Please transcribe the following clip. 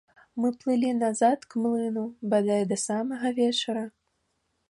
Мы плылі назад к млыну бадай да самага вечара.